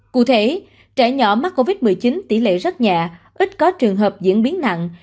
cụ thể trẻ nhỏ mắc covid một mươi chín tỷ lệ rất nhẹ ít có trường hợp diễn biến nặng